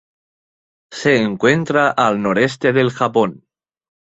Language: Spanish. Se encuentra al noreste del Japón.